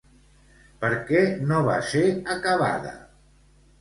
Per què no va ser acabada?